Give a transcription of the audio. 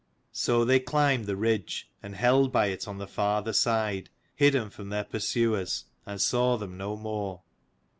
So they climbed the ridge, and held by it on the farther side, hidden from their pursuers, and saw them no more.